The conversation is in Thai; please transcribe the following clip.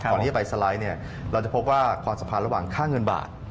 ก่อนที่จะไปสไลด์เราจะพบว่าความสัมพันธ์ระหว่างค่าเงินบาท